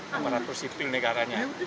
aparatur sipil negaranya